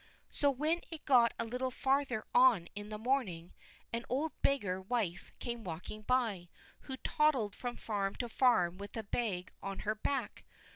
So when it got a little farther on in the morning, an old beggar wife came walking by, who toddled from farm to farm with a bag on her back.